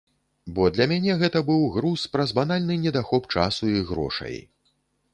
Бо для мяне гэта быў груз праз банальны недахоп часу і грошай.